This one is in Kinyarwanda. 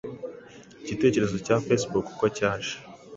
Igitekerezo cya Facebook uko cyaje